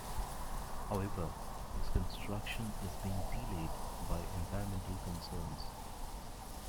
However, its construction is being delayed by environmental concerns.